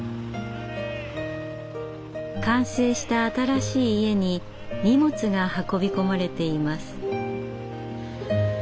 完成した新しい家に荷物が運び込まれています。